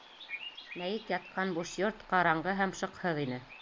Мәйет ятҡан буш йорт ҡараңғы һәм шыҡһыҙ ине.